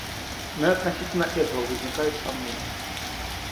Но и относительно этого возникает сомнение.